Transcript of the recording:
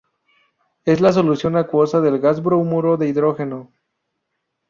Es la solución acuosa del gas bromuro de hidrógeno.